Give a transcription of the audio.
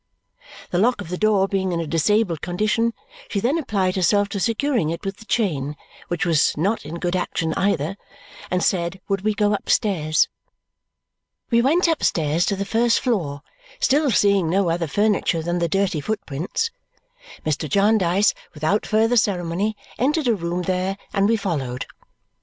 The lock of the door being in a disabled condition, she then applied herself to securing it with the chain, which was not in good action either, and said would we go upstairs? We went upstairs to the first floor, still seeing no other furniture than the dirty footprints. Mr. Jarndyce without further ceremony entered a room there, and we followed.